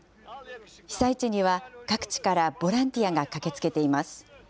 被災地には、各地からボランティアが駆けつけています。